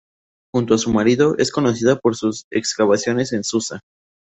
Junto a su marido, es conocida por sus excavaciones en Susa.